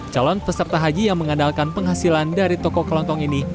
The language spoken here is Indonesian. calon peserta haji yang mengandalkan penghasilan dari toko kelontong ini